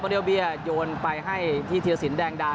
บรียาวเบียร์โยนไปให้ที่เทียสินแดงด๋า